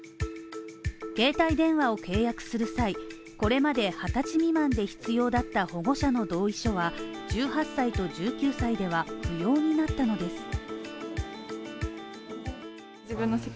携帯電話を契約する際、これまで二十歳未満で必要だった保護者の同意書は、１８歳と１９歳では不要になったのです。